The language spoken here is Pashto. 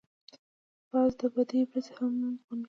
باز د بدې ورځې هم زغم لري